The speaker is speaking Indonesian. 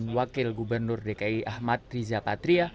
wakil gubernur dki ahmad riza patria